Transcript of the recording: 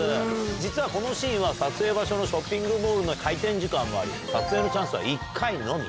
実はこのシーンは、撮影場所のショッピングモールの開店時間もあり、撮影のチャンスは１回のみ。